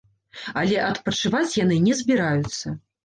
Але адпачываць яны не збіраюцца.